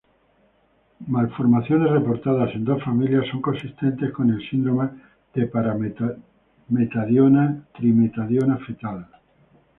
Malformaciones reportadas en dos familias son consistentes con el síndrome de parametadiona-trimetadiona fetal.